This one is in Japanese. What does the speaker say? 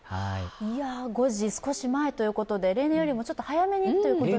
５時少し前ということで、例年よりも少し早めということで。